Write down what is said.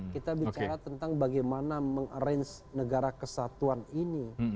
kita bicara tentang bagaimana meng arrange negara kesatuan ini